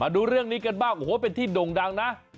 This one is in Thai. ดูเรื่องนี้กันบ้างโอ้โหเป็นที่ด่งดังนะ